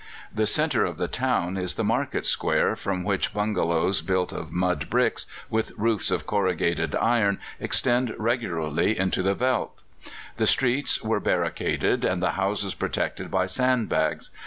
The centre of the town is the market square, from which bungalows built of mud bricks, with roofs of corrugated iron, extend regularly into the veldt. The streets were barricaded, and the houses protected by sand bags.